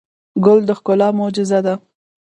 ګل د ښکلا معجزه ده.